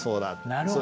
なるほど。